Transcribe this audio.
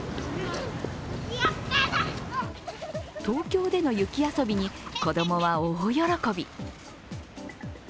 東京での雪遊びに子供は大喜び。